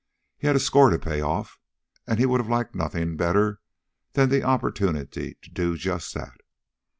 He had a score to pay off, and he would have liked nothing better than the opportunity to do just that.